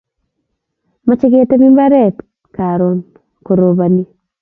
mache ketem imabaret karun korobani